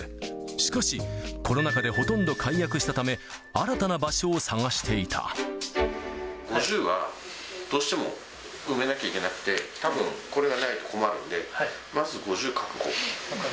しかし、コロナ禍でほとんど解約したため、新たな場所を探してい５０は、どうしても埋めなきゃいけなくて、たぶんこれがないと困るので、まず５０確保。